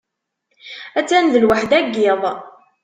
Ha-tt-an d lweḥda n yiḍ.